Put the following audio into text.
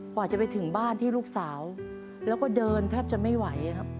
กว่าจะไปถึงบ้านที่ลูกสาวแล้วก็เดินแทบจะไม่ไหวครับ